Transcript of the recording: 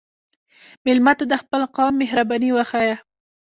مېلمه ته د خپل قوم مهرباني وښیه.